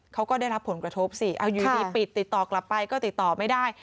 เขาก็ได้รับผลกระทบสิเอาอยู่ดีปิดติดต่อกลับไปก็ติดต่อไม่ได้